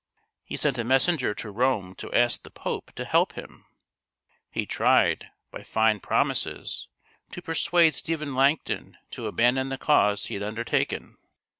He sent a messenger to Rome to ask the Pope to help him. He tried, by fine promises, to persuade Stephen Langton to abandon the cause he had undertaken.